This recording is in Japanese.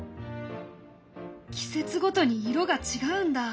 季節ごとに色が違うんだ！